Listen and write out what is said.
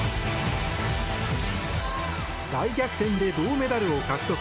大逆転で銅メダルを獲得。